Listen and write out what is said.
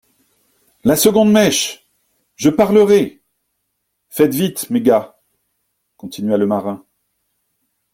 La seconde mèche ! Je parlerai !… Faites vite, mes gars ! continua le marin.